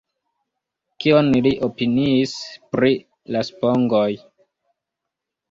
Kion li opiniis pri la spongoj?